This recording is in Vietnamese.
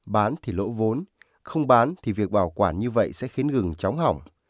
bán thì lỗ vốn không bán thì việc bảo quản như vậy sẽ khiến gừng chóng hỏng